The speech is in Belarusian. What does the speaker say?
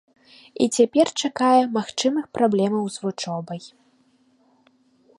І цяпер чакае магчымых праблемаў з вучобай.